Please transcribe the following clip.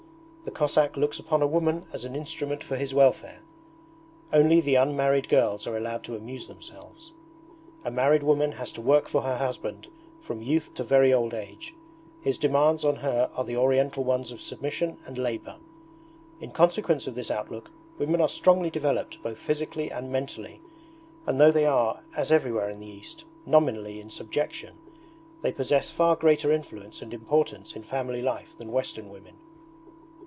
The Cossack looks upon a woman as an instrument for his welfare; only the unmarried girls are allowed to amuse themselves. A married woman has to work for her husband from youth to very old age: his demands on her are the Oriental ones of submission and labour. In consequence of this outlook women are strongly developed both physically and mentally, and though they are as everywhere in the East nominally in subjection, they possess far greater influence and importance in family life than Western women.